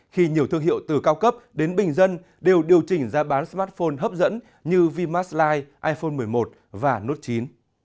khi nhiều thương hiệu từ cao cấp đến bình dân đều điều chỉnh giá bán smartphone hấp dẫn như vmask lite iphone một mươi một và note chín